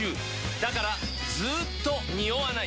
だからずーっとニオわない！